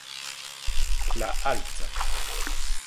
La halte.